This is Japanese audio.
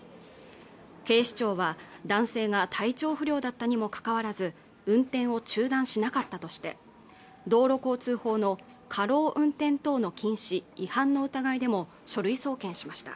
警視庁は男性が体調不良だったにもかかわらず運転を中断しなかったとして道路交通法の過労運転等の禁止違反の疑いでも書類送検しました